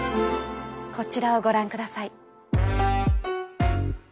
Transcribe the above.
こちらをご覧ください。